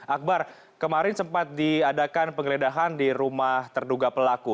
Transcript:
akbar kemarin sempat diadakan penggeledahan di rumah terduga pelaku